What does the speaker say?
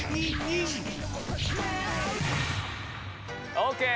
オーケー。